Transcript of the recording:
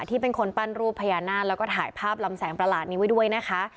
ที่เป็นคนปั้นรูปพญานาคแล้วก็ถ่ายภาพลำแสงประหลาดนี้ไว้ด้วยนะคะ